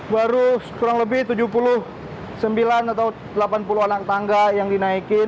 baru kurang lebih tujuh puluh sembilan atau delapan puluh anak tangga yang dinaikin